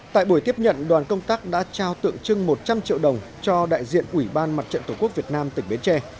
tại buổi tiếp nhận đoàn công tác đã trao tượng trưng một trăm linh triệu đồng cho đại diện ủy ban mặt trận tổ quốc việt nam tỉnh bến tre